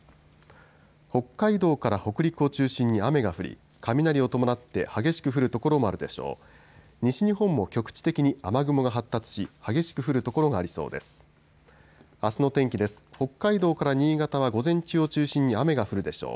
北海道から北陸を中心に雨が降り雷を伴って激しく降る所もあるでしょう。